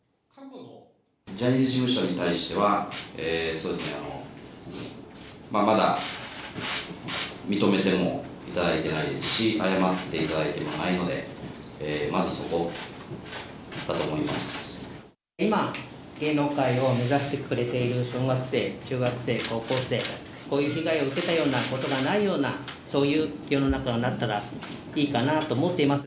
ジャニーズ事務所に対しては、そうですね、まだ認めてもいただいてないですし、謝っていただいてもないので、今、芸能界を目指してくれている小学生、中学生、高校生、こういう被害を受けたことがないようなそういう世の中になったらいいかなと思っています。